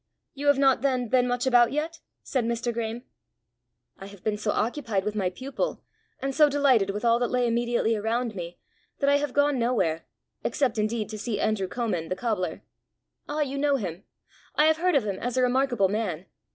"You have not then been much about yet?" said Mr. Graeme. "I have been so occupied with my pupil, and so delighted with all that lay immediately around me, that I have gone nowhere except, indeed, to see Andrew Comin, the cobbler." "Ah, you know him! I have heard of him as a remarkable man.